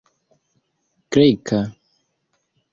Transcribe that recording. greka